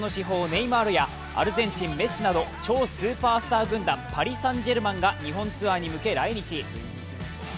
ネイマールやアルゼンチン・メッシなど超スーパースター軍団パリ・サンジェルマンが日本ツアーに向け来日。